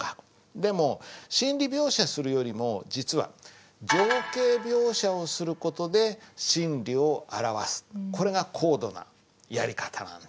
でも心理描写するよりも実は情景描写をする事で心理を表すこれが高度なやり方なんです。